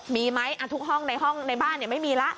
มีไหมทุกห้องในห้องในบ้านไม่มีแล้ว